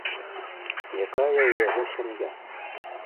Якая ў яго сям'я?